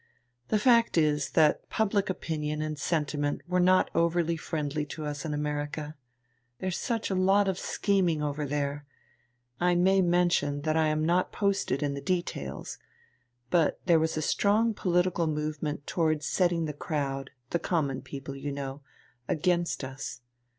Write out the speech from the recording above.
The fact is that public opinion and sentiment were not over friendly to us in America. There's such a lot of scheming over there I may mention that I am not posted in the details, but there was a strong political movement towards setting the crowd, the common people, you know, against us.